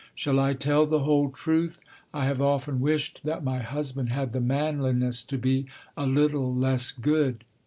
Shall I tell the whole truth? I have often wished that my husband had the manliness to be a little less good.